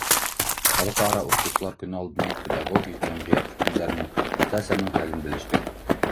Халыҡ-ара уҡытыусылар көнө алдынан педагогик йәмғиәт вәкилдәренең, ата-әсәнең хәлен белештек.